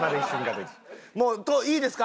もういいですか？